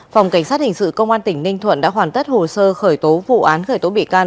phòng cảnh sát hình sự công an tỉnh ninh thuận đã hoàn tất hồ sơ khởi tố vụ án khởi tố bị can